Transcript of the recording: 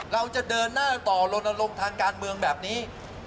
เราจะเดินหน้าต่อลนลงทางการเมืองแบบนี้